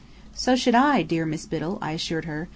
"So should I, dear Miss Biddell," I assured her.